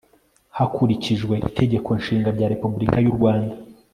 hakurikijwe itegeko nshinga rya republika y'u rwanda